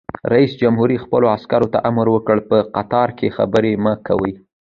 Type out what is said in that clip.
رئیس جمهور خپلو عسکرو ته امر وکړ؛ په قطار کې خبرې مه کوئ!